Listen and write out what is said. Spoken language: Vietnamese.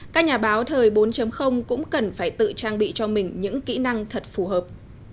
các nhà báo thời bốn cũng cần phải tự trang bị cho mình những kỹ năng thật phù hợp